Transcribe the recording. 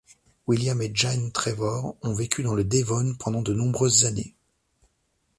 William et Jane Trevor ont vécu dans le Devon pendant de nombreuses années.